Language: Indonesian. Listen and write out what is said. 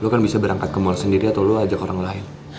lo kan bisa berangkat ke mall sendiri atau lo ajak orang lain